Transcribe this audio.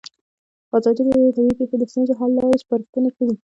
ازادي راډیو د طبیعي پېښې د ستونزو حل لارې سپارښتنې کړي.